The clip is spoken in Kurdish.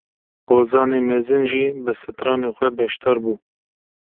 Hozanê mezin jî bi stranên xwe beşdar bû